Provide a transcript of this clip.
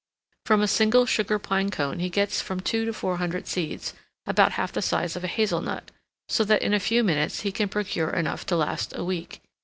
] From a single Sugar Pine cone he gets from two to four hundred seeds about half the size of a hazel nut, so that in a few minutes he can procure enough to last a week.